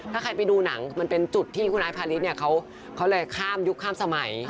ถ้าใครไปดูหนังมันเป็นจุดที่คุณไอ้พาริสเนี่ยเขาเลยข้ามยุคข้ามสมัย